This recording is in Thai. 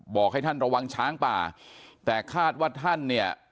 บอกให้ท่านระวังช้างป่าแต่คาดว่าท่านเนี่ย